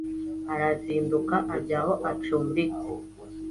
Arazinduka ajya aho acumbitse